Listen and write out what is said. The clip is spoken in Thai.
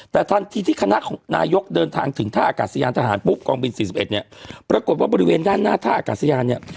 แต่ทันทีที่คณะของนายกเดินทางถึงท่าอากาศยานทหารปุ๊บกองบิน๔๑เนี่ยปรากฏว่าบริเวณด้านหน้าท่าอากาศยานเนี่ย